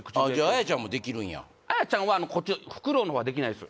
アヤちゃんもできるんやアヤちゃんはフクロウの方はできないです